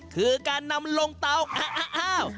คือการนำลงเตาอ้าว